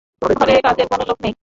ঘরে কাজের কোনো লোক নেই।